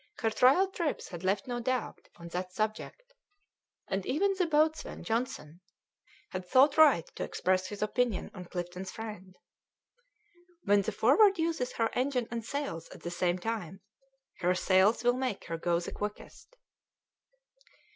Her trial trips had left no doubt on that subject, and even the boatswain, Johnson, had thought right to express his opinion to Clifton's friend "When the Forward uses her engine and sails at the same time, her sails will make her go the quickest."